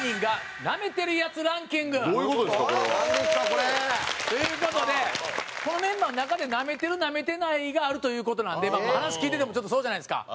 これは。という事でこのメンバーの中でナメてるナメてないがあるという事なんで話聞いててもちょっとそうじゃないですか。